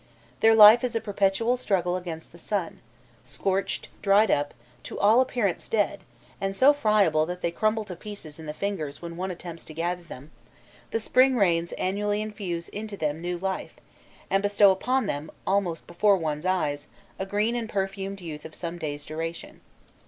Their life is a perpetual struggle against the sun: scorched, dried up, to all appearance dead, and so friable that they crumble to pieces in the fingers when one attempts to gather them, the spring rains annually infuse into them new life, and bestow upon them, almost before one's eyes, a green and perfumed youth of some days' duration.